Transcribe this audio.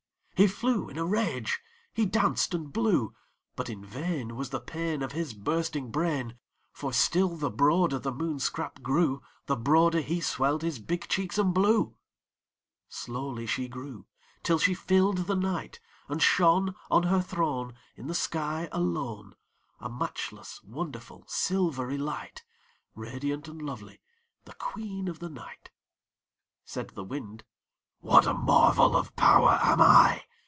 He flew in a rage he danced and blew; But in vain Was the pain Of his bursting brain; For still the broader the Moon scrap grew, The broader he swelled his big cheeks and blew. Slowly she grew till she filled the night, And shone On her throne In the sky alone, A matchless, wonderful, silvery light, Radiant and lovely, the Queen of the night. Said the Wind "What a marvel of power am I!